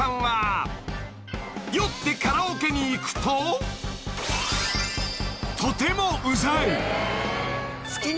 ［酔ってカラオケに行くととてもうざい］